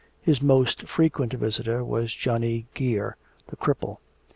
His most frequent visitor was Johnny Geer, the cripple.